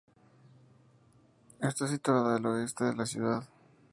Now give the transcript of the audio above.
Está situada al oeste de la ciudad.